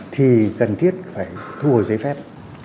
thì cần thiết phải thu hồi giấy phép